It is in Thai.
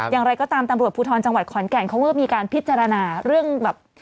อย่างไรก็ตามตำรวจภูทรจังหวัดขอนแก่นเขาก็มีการพิจารณาเรื่องแบบ